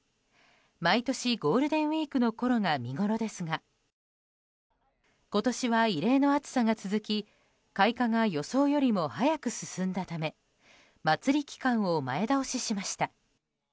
毎年ゴールデンウィークのころが見ごろですが今年は、異例の暑さが続き開花が予想よりも早く進んだため祭り期間を前倒ししました。